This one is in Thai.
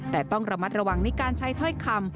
แต่ต้องระมัดระวังในการใช้ถ้อยคำ